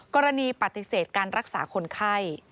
กรณีปฏิเสธการรักษาคนไข้